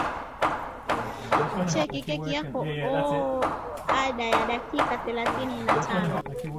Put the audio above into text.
cheki keki yako baada ya dakika thelathini na tano